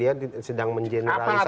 pasti dia sedang mengeneralisasi